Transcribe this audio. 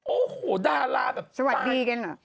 โอ้โหดาราแบบสวัสดีกันเหรอ